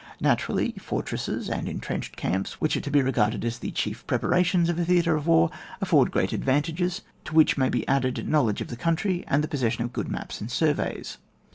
Naturally, fortresses and enti enched camps, which are to be regarded as the chief preparations of a theatre of war, afford great advantages, to which may be added knowledge of the country and the possession of good maps and surveys.